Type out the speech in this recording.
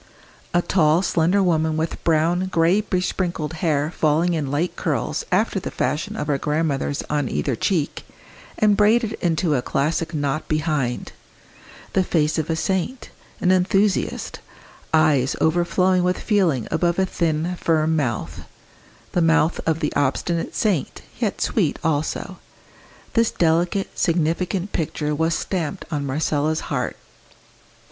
A tall slender woman with brown, grey besprinkled hair falling in light curls after the fashion of our grandmothers on either cheek, and braided into a classic knot behind the face of a saint, an enthusiast eyes overflowing with feeling above a thin firm mouth the mouth of the obstinate saint, yet sweet also: this delicate significant picture was stamped on Marcella's heart.